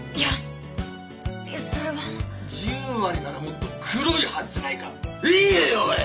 いやそれは十割ならもっと黒いはずじゃないかええ⁉おい！